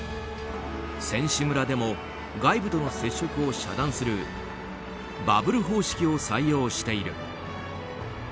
選手村でも外部との接触を遮断するバブル方式を採用している。